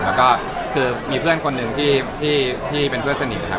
แล้วก็คือมีเพื่อนคนหนึ่งที่เป็นเพื่อนสนิทนะครับ